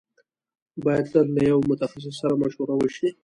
بايد تل له يوه متخصص سره مشوره وشي.